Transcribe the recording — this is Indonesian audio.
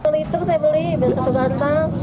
satu liter saya beli biasanya satu batang